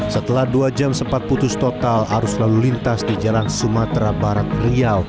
setelah dua jam sempat putus total arus lalu lintas di jalan sumatera barat riau